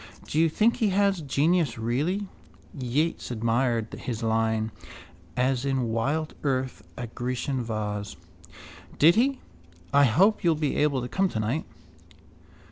Do you think he has genius really? Yeats admired his line: As in wild earth a Grecian vase. Did he? I hope you'll be able to come tonight.